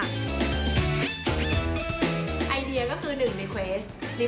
ไอเดียก็คือ๑คำสั่ง